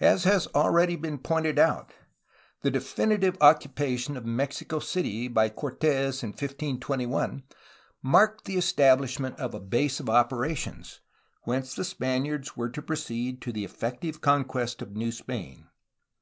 As has already been pointed out, the definitive occupation of Mexico City by Cortes in 1521 marked the establishment of a base of operations, whence the Spaniards were to pro ceed to the effective conquest of New Spain.